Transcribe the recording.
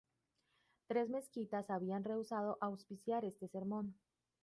Tres mezquitas habían rehusado auspiciar este sermón.